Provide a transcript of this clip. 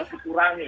kita mampu kurangi